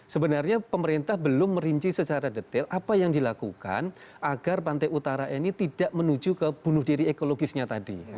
sebenarnya pemerintah belum merinci secara detail apa yang dilakukan agar pantai utara ini tidak menuju ke bunuh diri ekologisnya tadi